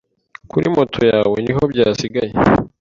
kuri moto yawe niho byasigaye